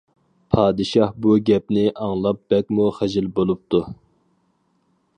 پادىشاھ بۇ گەپنى ئاڭلاپ بەكمۇ خىجىل بولۇپتۇ.